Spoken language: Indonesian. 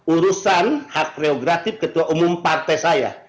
urusan hak prerogatif ketua umum partai saya